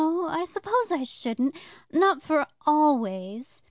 I suppose I shouldn't not for always.